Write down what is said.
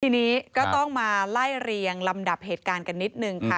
ทีนี้ก็ต้องมาไล่เรียงลำดับเหตุการณ์กันนิดนึงค่ะ